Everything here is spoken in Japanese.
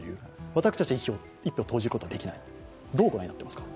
私たちは１票を投じることができない、どう御覧になっていますか？